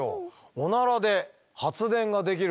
オナラで発電ができる。